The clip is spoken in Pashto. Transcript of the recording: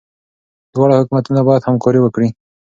دواړه حکومتونه باید همکاري وکړي.